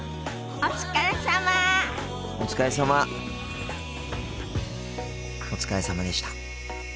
お疲れさまでした。